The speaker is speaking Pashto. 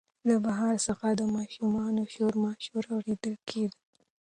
له بهر څخه د ماشومانو شورماشور اورېدل کېده.